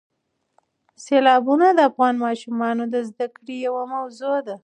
سیلابونه د افغان ماشومانو د زده کړې یوه موضوع ده.